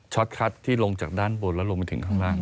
คัดที่ลงจากด้านบนแล้วลงไปถึงข้างล่าง